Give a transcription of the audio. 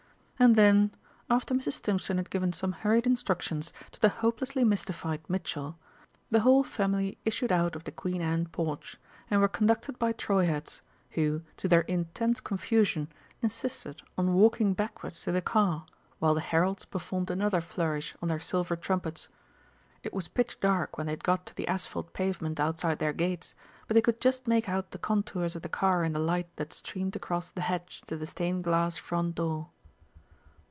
And then, after Mrs. Stimpson had given some hurried instructions to the hopelessly mystified Mitchell, the whole family issued out of the Queen Anne porch, and were conducted by Treuherz, who, to their intense confusion, insisted on walking backwards to the car, while the heralds performed another flourish on their silver trumpets. It was pitch dark when they had got to the asphalt pavement outside their gates, but they could just make out the contours of the car in the light that streamed across the hedge to the stained glass front door.